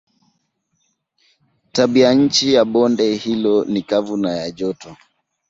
Tabianchi ya bonde hilo ni kavu na ya joto.